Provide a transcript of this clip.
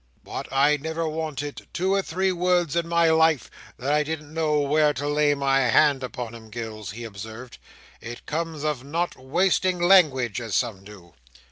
"But I never wanted two or three words in my life that I didn't know where to lay my hand upon 'em, Gills," he observed. "It comes of not wasting language as some do."